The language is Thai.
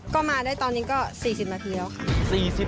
ก็มาได้ตอนนี้ก็๔๐นาทีแล้วค่ะ